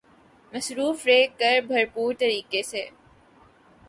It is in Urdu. مصروف رہ کر بھرپور طریقے سے